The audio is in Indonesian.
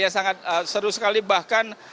sangat seru sekali bahkan